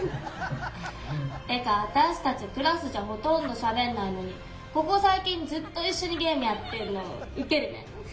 てか、あたしたちクラスじゃほとんどしゃべんないのにここ最近ずっと一緒にゲームやってんのウケるね。